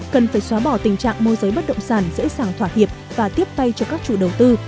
cần phải xóa bỏ tình trạng môi giới bất động sản dễ dàng thỏa hiệp và tiếp tay cho các chủ đầu tư